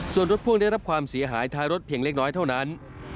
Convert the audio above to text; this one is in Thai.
ส่วนรถพ่วงได้รับความเสียหายท้ายรถเพียงเล็กน้อยเท่านั้น